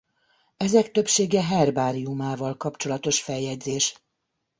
Ezek többsége herbáriumával kapcsolatos feljegyzés.